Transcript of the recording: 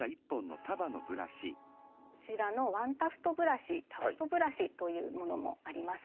こちらのワンタフトブラシタフトブラシというものもあります。